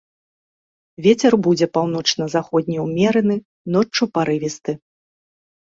Вецер будзе паўночна-заходні ўмераны, ноччу парывісты.